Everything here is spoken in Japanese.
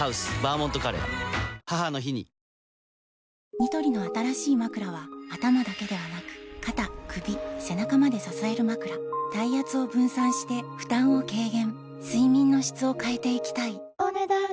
ニトリの新しいまくらは頭だけではなく肩・首・背中まで支えるまくら体圧を分散して負担を軽減睡眠の質を変えていきたいお、ねだん以上。